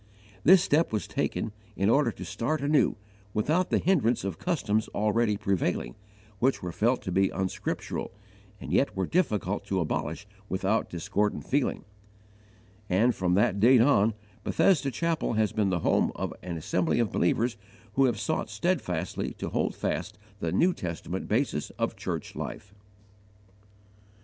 This step was taken in order to start anew, without the hindrance of customs already prevailing, which were felt to be unscriptural and yet were difficult to abolish without discordant feeling; and, from that date on, Bethesda Chapel has been the home of an assembly of believers who have sought steadfastly to hold fast the New Testament basis of church life.